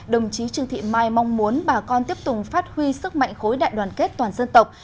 đồng chí trương thị mai mong muốn bà con tiếp tục phát huy sức mạnh khối đại đoàn kết toàn dân tộc